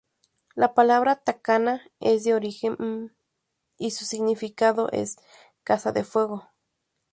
La palabra Tacaná es de origen Mam y su significado es "casa de fuego".